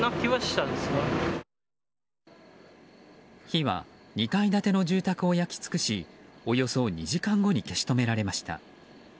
火は２階建ての住宅を焼き尽くしおよそ２時間後に消し止められました。